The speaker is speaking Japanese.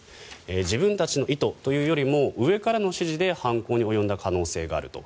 自分たちの意図というよりも上からの指示で犯行に及んだ可能性があると。